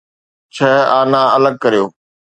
ڇهه آنا الڳ ڪريو.